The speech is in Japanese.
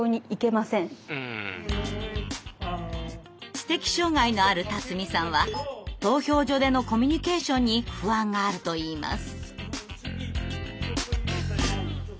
知的障害のある辰己さんは投票所でのコミュニケーションに不安があるといいます。